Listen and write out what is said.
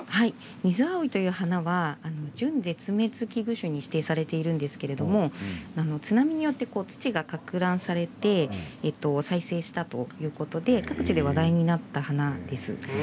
ミズアオイという花は準絶滅危惧種に指定されているんですけれど津波によって土がかくはんされて再生したといわれていて話題になった花です。